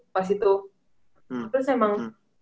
pas itu terus emang